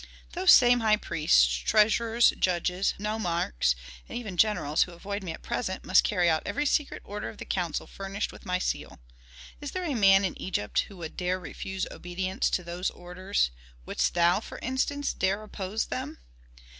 "Those same high priests, treasurers, judges, nomarchs, and even generals who avoid me at present, must carry out every secret order of the council furnished with my seal. Is there a man in Egypt who would dare refuse obedience to those orders? Wouldst thou, for instance, dare oppose them?"